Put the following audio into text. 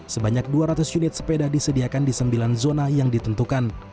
sebanyak dua ratus unit sepeda disediakan di sembilan zona yang ditentukan